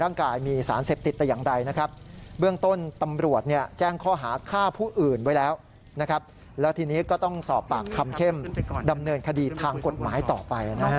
น้องเขาเพิ่งเข้าสรรคันใช่ปะได้ครับได้ครับได้ครับ